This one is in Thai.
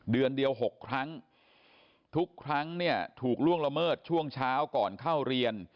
เดือนเดียว๖ครั้งทุกครั้งเนี่ยถูกล่วงละเมิดช่วงเช้าก่อนเข้าเรียน